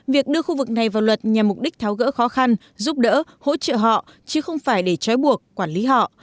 việc đưa khu vực này vào luật nhằm mục đích tháo gỡ khó khăn giúp đỡ hỗ trợ họ chứ không phải để trói buộc quản lý họ